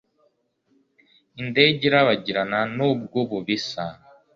Indege irabagirana nubwo ubu bisa